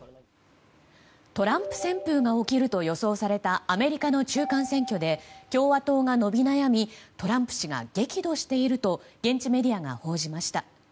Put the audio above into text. トランプ旋風が起きると予想されたアメリカの中間選挙で共和党が伸び悩みトランプ氏が激怒していると現地メディアが報じました。